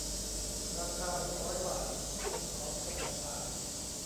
ราคา หกร้อย บาท ชมเกาะแสมสาร